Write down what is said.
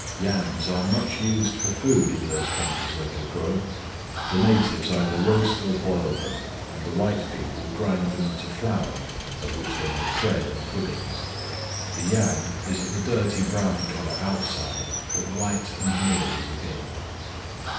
Yams are much used for food in those countries where they grow; the natives either roast or boil them, and the white people grind them into flour, of which they make bread and puddings. The yam is of a dirty brown color outside, but white and mealy within.